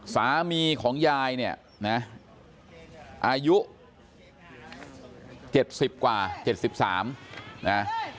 สามีของยายเนี่ยนะอายุ๗๐กว่า๗๓นะ